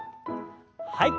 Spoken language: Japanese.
はい。